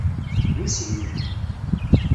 D ushil.